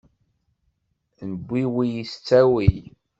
Mbiwel s ttawil.